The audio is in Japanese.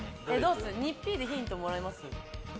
２Ｐでヒントもらいます？